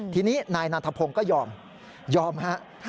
ทีนี้นายนันทพงก็ยอมยอมครับ